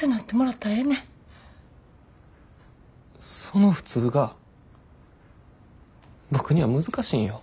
その普通が僕には難しいんよ。